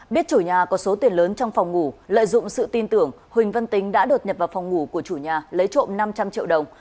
biết chủ nhà có số tiền lớn trong phòng ngủ lợi dụng sự tin tưởng huỳnh văn tính đã đột nhập vào phòng ngủ của chủ nhà lấy trộm năm trăm linh triệu đồng